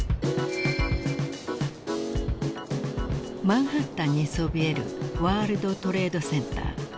［マンハッタンにそびえるワールドトレードセンター］